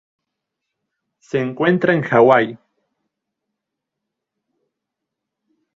Se encuentra en Hawái.